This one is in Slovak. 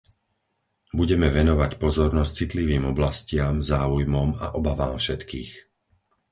Budeme venovať pozornosť citlivým oblastiam, záujmom a obavám všetkých.